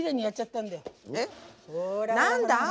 なんだ！